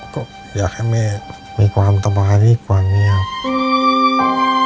ก็อยากให้แม่มีความตบาลอีกกว่าแม่ครับ